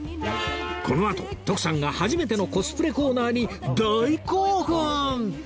このあと徳さんが初めてのコスプレコーナーに大興奮